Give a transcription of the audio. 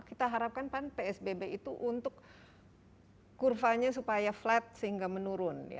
kita harapkan psbb itu untuk kurvanya supaya flat sehingga menurun